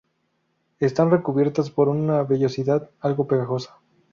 Están recubiertas por una vellosidad algo pegajosa.